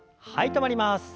止まります。